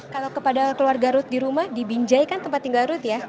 kalau kepada keluarga ruth di rumah dibinjai kan tempat tinggal ruth ya